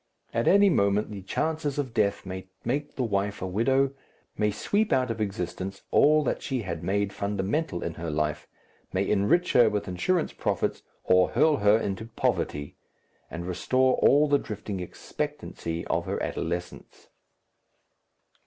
At any moment the chances of death may make the wife a widow, may sweep out of existence all that she had made fundamental in her life, may enrich her with insurance profits or hurl her into poverty, and restore all the drifting expectancy of her adolescence....